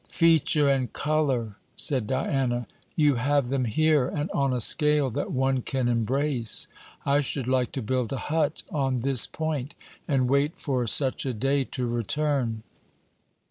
'Feature and colour!' said Diana. 'You have them here, and on a scale that one can embrace. I should like to build a hut on this point, and wait for such a day to return.